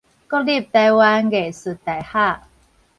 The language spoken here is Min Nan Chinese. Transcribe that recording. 國立臺灣藝術大學